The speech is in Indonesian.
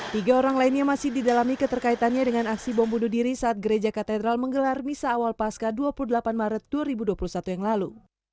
tiga orang lainnya masih didalami keterkaitannya dengan aksi bom bunuh diri saat gereja katedral menggelar misa awal pasca dua puluh delapan maret dua ribu dua puluh satu yang lalu